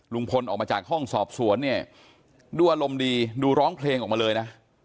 ลุงพลออกมาจากห้องสอบสวนเนี่ยดูอารมณ์ดีดูร้องเพลงออกมาเลยนะ